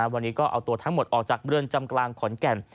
วันนี้ก็เอาตัวทั้งหมดออกจากเรือนจำกลางขอนแก่น